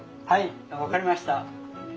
はい分かりました。